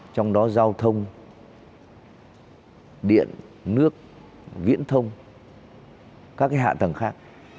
trong đó giao thông điện nước viễn thông các hạ tầng khác